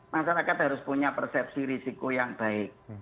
masyarakat harus punya persepsi risiko yang baik